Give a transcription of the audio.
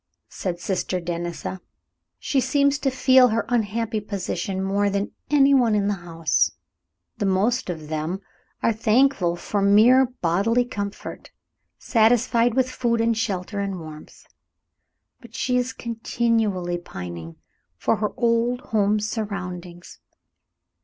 said Sister Denisa. "She seems to feel her unhappy position more than any one in the house. The most of them are thankful for mere bodily comfort, satisfied with food and shelter and warmth; but she is continually pining for her old home surroundings.